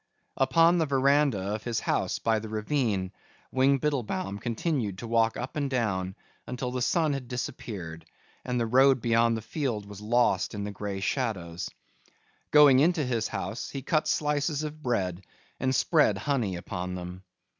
Upon the veranda of his house by the ravine, Wing Biddlebaum continued to walk up and down until the sun had disappeared and the road beyond the field was lost in the grey shadows. Going into his house he cut slices of bread and spread honey upon them.